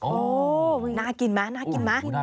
โอ้น่ากินไหม